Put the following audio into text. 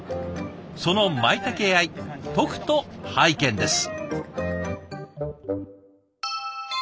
そのまいたけ愛とくと拝見です。